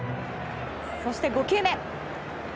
そして５球目。